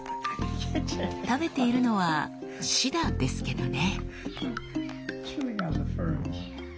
食べているのはシダですけどね。